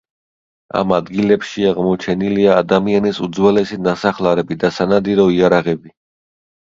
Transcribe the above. ამ ადგილებში აღმოჩენილია ადამიანის უძველესი ნასახლარები და სანადირო იარაღები.